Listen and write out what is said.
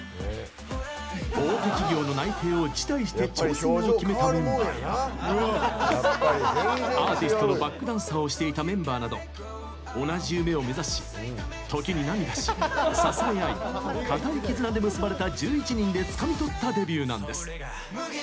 大手企業の内定を辞退して挑戦を決めたメンバーやアーティストのバックダンサーをしていたメンバーなど同じ夢を目指し時に涙し、支え合い固い絆で結ばれた１１人でつかみ取ったデビューなんです。